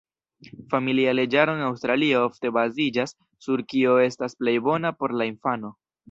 Familia Leĝaro en Aŭstralio ofte baziĝas sur kio estas plej bona por la infano.